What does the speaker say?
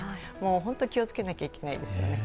本当に気をつけなきゃいけないですよね。